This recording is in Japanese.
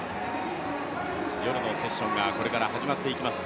夜のセッションがこれから始まっていきます。